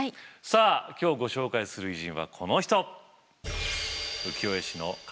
さあ今日ご紹介する偉人はこの人！